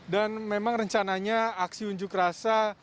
dan memang rencananya aksi unjuk rasa